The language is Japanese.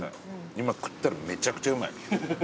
今食ったらめちゃくちゃうまい。